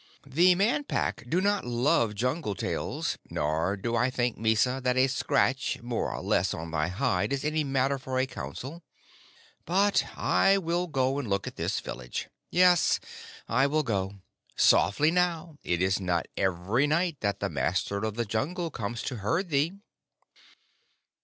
"The Man Pack do not love jungle tales, nor do I think, Mysa, that a scratch more or less on thy hide is any matter for a council. But I will go and look at this village. Yes, I will go. Softly now. It is not every night that the Master of the Jungle comes to herd thee."